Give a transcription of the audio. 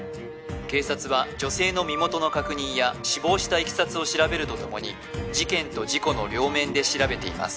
警察は女性の身元の確認や死亡したいきさつを調べるとともに事件と事故の両面で調べています